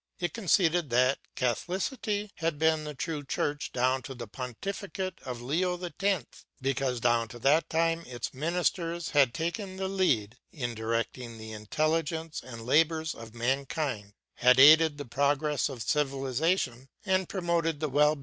It conceded that Catholicity had been the true Church down to the pontificate of Leo X., because down to that time its ministers had taken the lead in directing the intelligence and labors of mankind, had aided the progress of civilization, and promoted the well being of the poorer and more numerous classes.